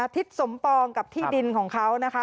ทิศสมปองกับที่ดินของเขานะคะ